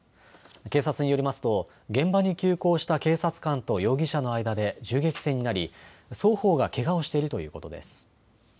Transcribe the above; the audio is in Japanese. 警察によりますと現場に急行した警察官と容疑者の間で銃撃戦になり双方がけがをしているということです。